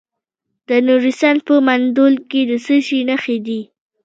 د نورستان په مندول کې د څه شي نښې دي؟